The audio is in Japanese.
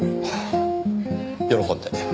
喜んで。